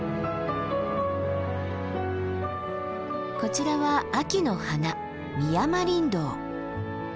こちらは秋の花ミヤマリンドウ。